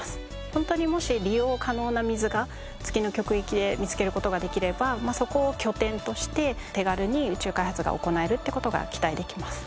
ホントにもし利用可能な水が月の極域で見つける事ができればそこを拠点として手軽に宇宙開発が行えるって事が期待できます。